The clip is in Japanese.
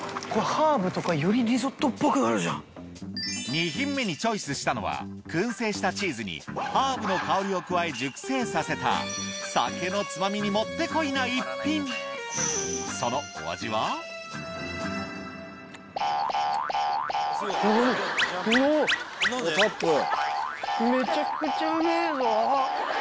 ２品目にチョイスしたのは燻製したチーズにハーブの香りを加え熟成させた酒のつまみにもってこいな一品鼻の奥が。